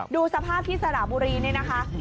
ดูสภาพที่สระบุรีนี่นะคะ